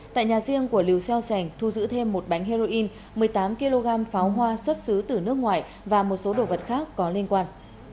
tại nhà riêng của lưu xeo sành thu giữ thêm một bánh heroin một mươi tám kg pháo hoa xuất xứ từ nước ngoài và một số đồ vật khác có liên quan